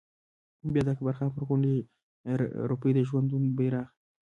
بیا د اکبر خان پر غونډۍ رپي د ژوندون بيرغ